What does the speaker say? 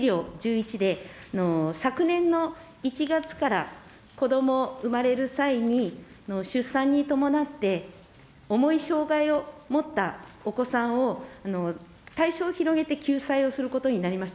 パネルはないんですが、資料１１で、昨年の１月から、子ども産まれる際に、出産に伴って重い障害を持ったお子さんを対象を広げて救済することになりました。